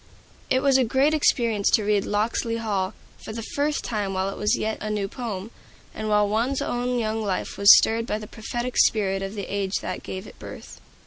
It was a great experience to read "Locksley Hall" for the first time while it was yet a new poem, and while one's own young life was stirred by the prophetic spirit of the age that gave it birth.